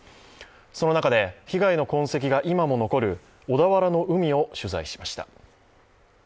その中で、被害の痕跡が今も残る小田原の海を取材しました。